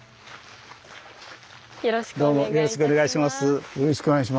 よろしくお願いします。